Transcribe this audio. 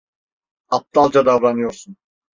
Aptalca davranıyorsun.